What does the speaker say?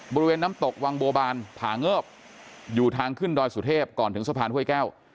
บริเวณน้ำตกวังบัวบานผาเงิบอยู่ทางขึ้นดอยสุเทพก่อนถึงสะพานห้วยแก้ว